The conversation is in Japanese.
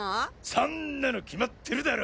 そんなの決まってるだろ！